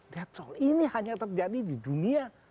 lihat soal ini hanya terjadi di dunia